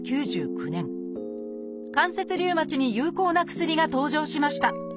関節リウマチに有効な薬が登場しました。